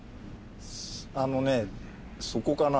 あのねそこかな？